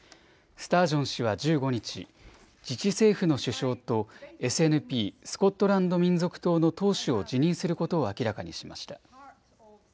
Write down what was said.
スタージョン氏は１５日、自治政府の首相とＳＮＰ・スコットランド民族党の党首を辞任することを明らかにしました。